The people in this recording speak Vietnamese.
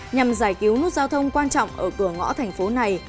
nhằm giải cứu nút giao thông quan trọng ở cửa ngõ thành phố này